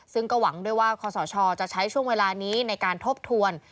ซึ่งก็หวังด้วยว่าคอสชจะใช้ช่วงเวลานี้ในการทบทวน